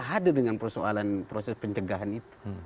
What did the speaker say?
hadir dengan persoalan proses pencegahan itu